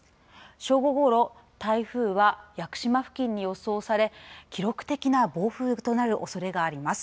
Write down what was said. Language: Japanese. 正午ごろ、台風は屋久島付近に予想され記録的な暴風となるおそれがあります。